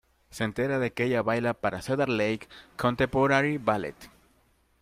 Se entera de que ella baila para Cedar Lake Contemporary Ballet.